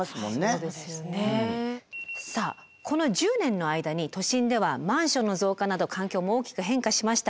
さあこの１０年の間に都心ではマンションの増加など環境も大きく変化しました。